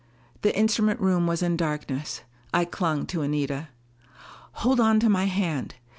The instrument room was in darkness. I clung to Anita. "Hold on to my hand.